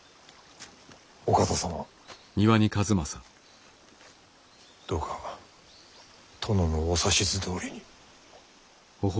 お方様どうか殿のお指図どおりに。